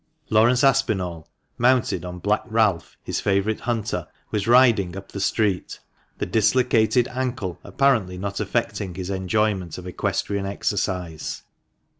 Laurence Aspinall, mounted on Black Ralph, his favourite hunter, was riding up the street, the dislocated ankle apparently not affecting his enjoyment of equestrian exercise.